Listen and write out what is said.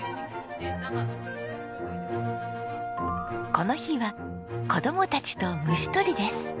この日は子供たちと虫捕りです。